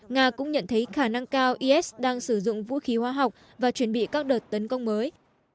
nga cũng nhận thấy khả năng cao is đang sử dụng vũ khí hóa học và chuẩn bị các đợt tấn công mới